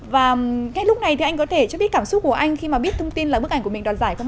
và ngay lúc này thì anh có thể cho biết cảm xúc của anh khi mà biết thông tin là bức ảnh của mình đoạt giải không ạ